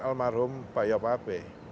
almarhum pak yopapai